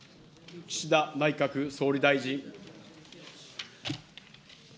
岸田内閣総理大臣。